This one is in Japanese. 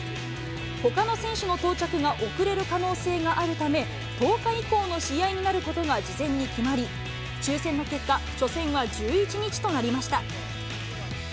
ほかの選手の到着が遅れる可能性があるため、１０日以降の試合になることが事前に決まり、抽せんの結果、初戦は１１日となりました。